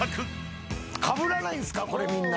かぶらないんすか⁉これみんな。